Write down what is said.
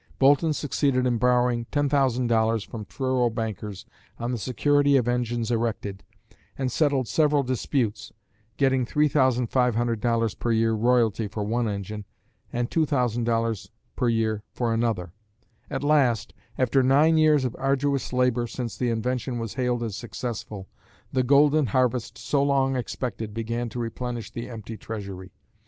Boulton succeeded in borrowing $10,000 from Truro bankers on the security of engines erected, and settled several disputes, getting $3,500 per year royalty for one engine and $2,000 per year for another. At last, after nine years of arduous labor since the invention was hailed as successful, the golden harvest so long expected began to replenish the empty treasury.